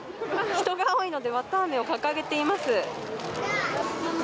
人が多いので綿あめを掲げています。